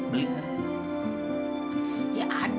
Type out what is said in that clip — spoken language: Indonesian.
nanti beli tante